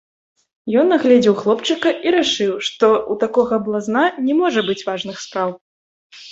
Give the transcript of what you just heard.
Ён агледзеў хлопчыка і рашыў, што ў такога блазна не можа быць важных спраў.